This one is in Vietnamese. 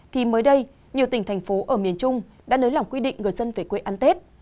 thì mới đây nhiều tỉnh thành phố ở miền trung đã nới lỏng quy định người dân về quê ăn tết